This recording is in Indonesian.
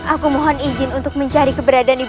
aku akan segera mencari ibu anda